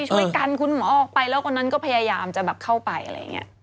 คุณหมอออกไปแล้วคนนั้นก็พยายามจะแบบเข้าไปอะไรอย่างนี้